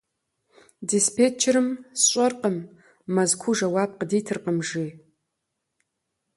Диспетчерым: «СщӀэркъым, Мэзкуу жэуап къыдитыркъым», - жи.